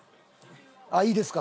あっいいですか？